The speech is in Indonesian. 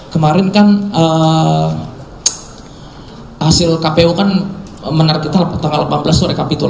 kemarin kan hasil kpu kan menurut kita tanggal delapan belas itu rekapitul